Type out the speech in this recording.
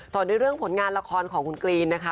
ต่อด้วยเรื่องผลงานละครของคุณกรีนนะคะ